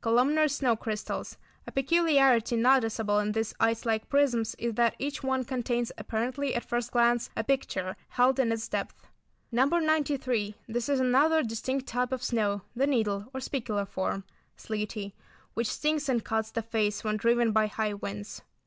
Columnar snow crystals; a peculiarity noticeable in these ice like prisms is that each one contains apparently, at first glance, a picture held in its depths. No. 93. This is another distinct type of snow, the needle, or spicular form—sleety, which stings and cuts the face when driven by high winds.